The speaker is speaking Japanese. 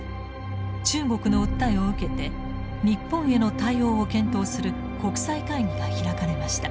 中国の訴えを受けて日本への対応を検討する国際会議が開かれました。